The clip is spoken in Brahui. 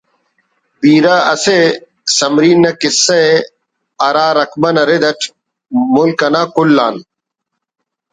بیرہ اسہ سمرین نا کسہ ءِ ہرا رقبہ نا رد اٹ ملک انا کل آن